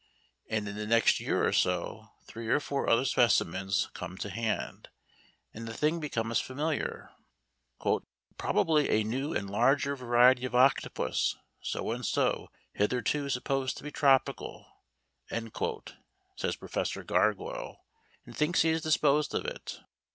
and in the next year or so three or four other specimens come to hand, and the thing becomes familiar. "Probably a new and larger variety of Octopus so and so, hitherto supposed to be tropical," says Professor Gargoyle, and thinks he has disposed of it.